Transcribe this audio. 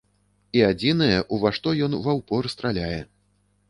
І адзінае, у ва што ён ва ўпор страляе.